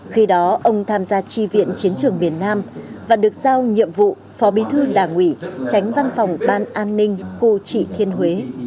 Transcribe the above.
khi đó ông tham gia tri viện chiến trường miền nam và được giao nhiệm vụ phó bí thư đảng ủy tránh văn phòng ban an ninh khu trị thiên huế